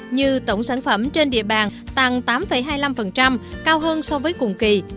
như tổng sản phẩm trên địa bàn tăng tám hai mươi năm cao hơn so với cùng kỳ